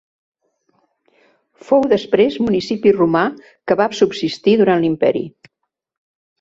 Fou després municipi romà que va subsistir durant l'imperi.